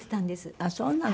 あっそうなの。